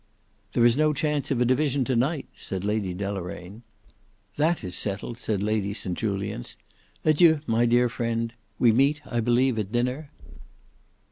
"There is no chance of a division to night," said Lady Deloraine. "That is settled," said Lady St Julians. "Adieu, my dear friend. We meet, I believe, at dinner?"